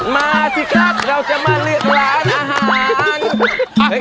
มาสิครับเราจะมาเลือกร้านอาหาร